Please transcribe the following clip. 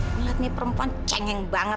ngeliat nih perempuan cengeng banget